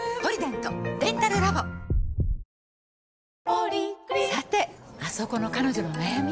「ポリグリップ」さてあそこの彼女の悩み。